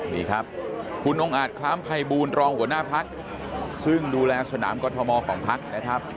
นี่ครับคุณองค์อาจคลามไพบูนรองหัวหน้าภักร์ซึ่งดูแลสนามกฎธมอลของภักร์นะครับ